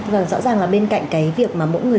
vâng rõ ràng là bên cạnh cái việc mà mỗi người